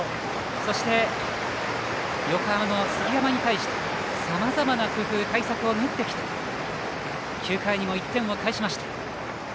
そして、横浜の杉山に対してさまざまな工夫対策を練ってきて９回にも１点を返しました。